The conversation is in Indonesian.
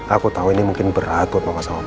aku tau ini mungkin berat buat mama sama papa